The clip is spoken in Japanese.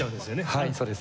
はいそうです。